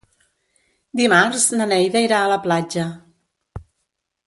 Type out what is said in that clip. Dimarts na Neida irà a la platja.